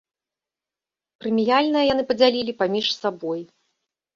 Прэміяльныя яны падзялілі паміж сабой.